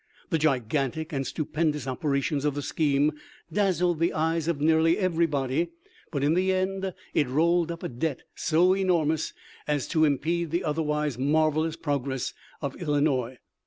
The gigantic and stupendous operations of the scheme dazzled the eyes of nearly everybody, but in the end it rolled up a debt so enormous as to impede the otherwise marvelous progress of Illinois.